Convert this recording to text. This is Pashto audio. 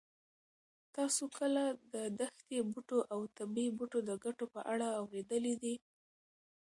تاسو کله د دښتي بوټو او طبي بوټو د ګټو په اړه اورېدلي دي؟